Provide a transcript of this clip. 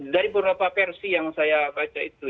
dari beberapa versi yang saya baca itu